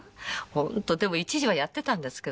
でも一時はやってたんですけどね。